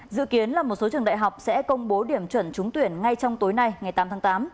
dự kiến là một số trường đại học sẽ công bố điểm chuẩn trúng tuyển ngay trong tối nay ngày tám tháng tám